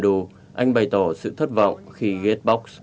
với kondo anh bày tỏ sự thất vọng khi gatebox